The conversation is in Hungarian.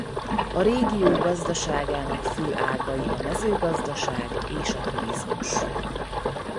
A régió gazdaságának fő ágai a mezőgazdaság és a turizmus.